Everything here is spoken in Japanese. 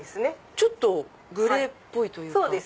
ちょっとグレーっぽいというか。